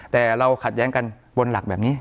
แต่เราขัดแย้งกันบนหลักแบบนี้